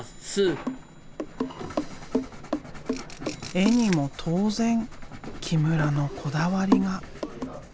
絵にも当然木村のこだわりが。